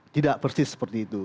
tidak persis seperti itu